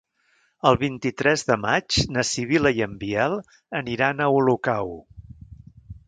El vint-i-tres de maig na Sibil·la i en Biel aniran a Olocau.